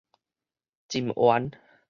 蟳丸